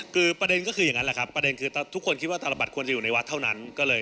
คือประเด็นก็คืออย่างนั้นแหละครับประเด็นคือทุกคนคิดว่าตลบัดควรจะอยู่ในวัดเท่านั้น